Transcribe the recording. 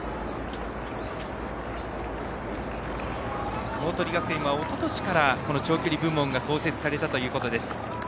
鵬学園はおととしから長距離部門が創設されたということです。